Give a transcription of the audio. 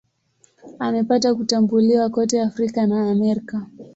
Amepata kutambuliwa kote Afrika na Amerika.